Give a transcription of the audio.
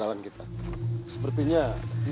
apa pak gerang yakin